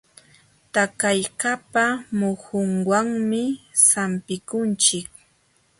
Tayakaqpa muhunwanmi sampikunchik.